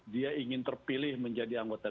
dia ingin terpilih menjadi anggota